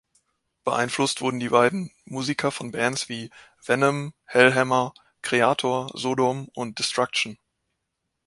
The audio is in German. Beeinflusst wurden die beiden Musiker von Bands wie Venom, Hellhammer, Kreator, Sodom und Destruction.